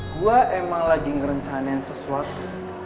gue emang lagi ngerencanain sesuatu